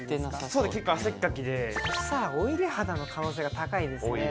そうです結構汗っかきでそうしたらオイリー肌の可能性が高いですね